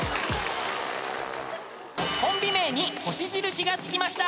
［コンビ名に星印が付きました］